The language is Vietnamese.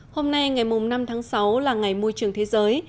hôm nay ngày năm tháng sáu là ngày môi trường thế giới